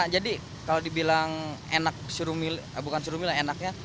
jadi kalau dibilang enak surumila bukan surumila enaknya